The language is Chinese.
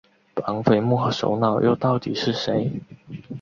绑匪幕后主脑又到底是谁？